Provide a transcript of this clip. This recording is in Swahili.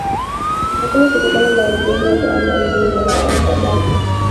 Lakini kutokana na kuvurugwa na tawala za huko za akina Kabaka